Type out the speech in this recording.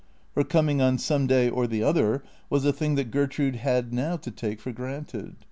Her coming on some day or the other was a thing that Gertrude had now to take for granted.